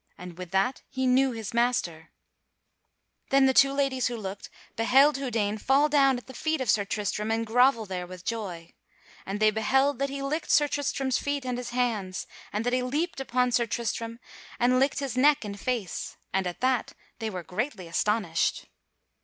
And with that he knew his master. [Sidenote: Houdaine knoweth Sir Tristram] Then the two ladies who looked beheld Houdaine fall down at the feet of Sir Tristram and grovel there with joy. And they beheld that he licked Sir Tristram's feet and his hands, and that he leaped upon Sir Tristram and licked his neck and face, and at that they were greatly astonished.